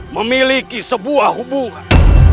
memiliki sebuah hubungan